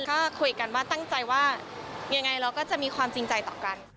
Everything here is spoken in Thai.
ก็คุยกันว่าตั้งใจว่ายังไงเราก็จะมีความจริงใจต่อกัน